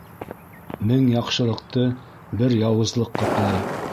Мең яҡшылыҡты бер яуызлыҡ ҡаплай.